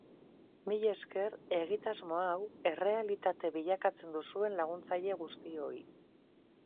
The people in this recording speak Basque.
Milesker egitasmo hau errealitate bilakatzen duzuen laguntzaile guztioi.